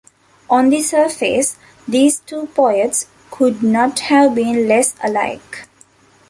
On the surface, these two poets could not have been less alike.